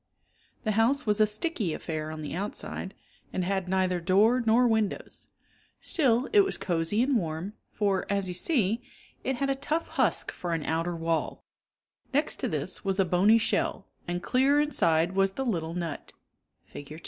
The house was a sticky affair on the outside and had neither door nor windows. Still it was cosy and warm for, as you see, it had a tough husk for an outer wall ; next to this was a bony shell, and clear inside was the little nut (Fig.